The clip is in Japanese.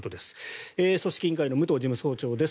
組織委員会の武藤事務総長です。